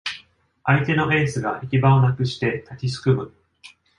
相手のエースが行き場をなくして立ちすくむ